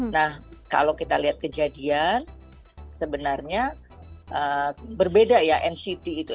nah kalau kita lihat kejadian sebenarnya berbeda ya nct itu